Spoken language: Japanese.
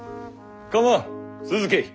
構わん続けい。